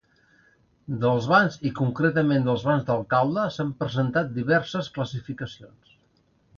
Dels bans i concretament dels bans d'alcalde s'han presentat diverses classificacions.